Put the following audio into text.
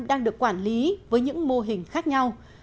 đang được quản lý với những mô hình khác nhau